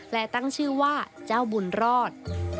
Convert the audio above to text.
และตั้งชื่อว่าเจ้าบุญรอด